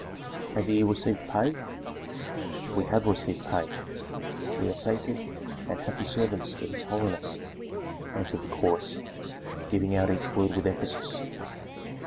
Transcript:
"Have ye received pay?" "We have received pay; we are sated and happy servants of his holiness," answered the chorus, giving out each word with emphasis.